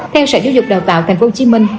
theo sở giáo dục đào tạo thành phố hồ chí minh